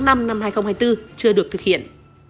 năm năm hai nghìn hai mươi bốn chưa được thực hiện